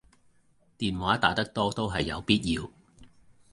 電話打得多都係有必要